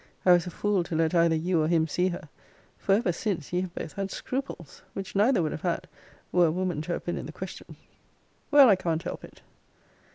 I was a fool to let either you or him see her; for ever since ye have both had scruples, which neither would have had, were a woman to have been in the question. Well, I can't help it!